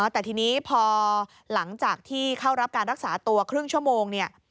แต่ทีนี้พอหลังจากที่เข้ารับการรักษาตัวครึ่งชั่วโมง